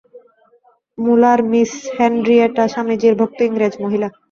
মূলার, Miss Henrietta স্বামীজীর ভক্ত ইংরেজ মহিলা।